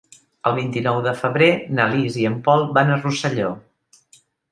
El vint-i-nou de febrer na Lis i en Pol van a Rosselló.